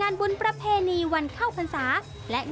กลายเป็นประเพณีที่สืบทอดมาอย่างยาวนาน